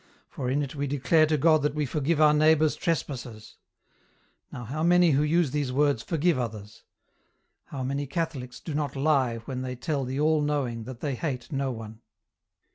For in it we declare to God that we forgive our neighbours' trespasses. Now how many who use these words forgive others ? How many Catholics do not lie when they tell the All knowing that they hate no one